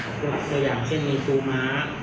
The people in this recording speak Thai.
ส่วนตัวอย่างเช่นมีทูม้า